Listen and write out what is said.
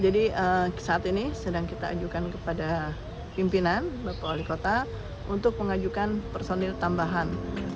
jadi saat ini sedang kita ajukan kepada pimpinan bapak wali kota untuk mengajukan personil tambahan